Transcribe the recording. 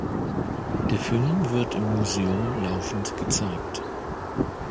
Der Film wird im Museum laufend gezeigt.